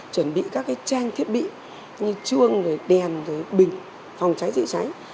chuẩn bị các trang thiết bị như chuông đèn bình phòng cháy chữa cháy